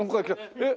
えっ？